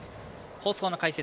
放送の解説